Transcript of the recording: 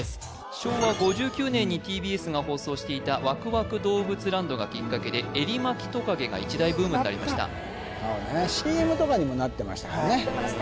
昭和５９年にＴＢＳが放送していた「わくわく動物ランド」がきっかけでエリマキトカゲが一大ブームになりましたＣＭとかにもなってましたよね